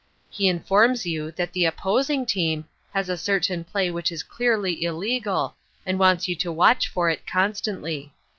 He informs you that the opposing team has a certain play which is clearly illegal and wants you to watch for it constantly.